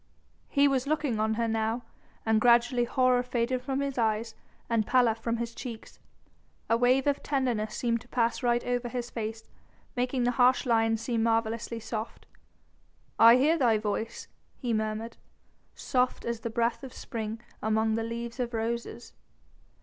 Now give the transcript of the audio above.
He was looking on her now, and gradually horror faded from his eyes and pallor from his cheeks. A wave of tenderness seemed to pass right over his face, making the harsh lines seem marvellously soft. "I hear thy voice," he murmured, "soft as the breath of spring among the leaves of roses."